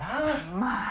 まあ。